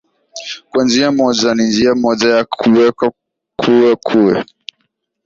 kwa njia moja ni njia moja ya kuweza kuwe kuwe